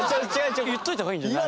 言っておいた方がいいんじゃない？